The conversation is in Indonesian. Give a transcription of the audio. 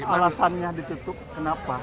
alasannya ditutup kenapa